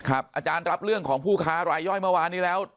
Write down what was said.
อาจารย์รับเรื่องของผู้ค้ารายย่อยเมื่อวานนี้แล้ว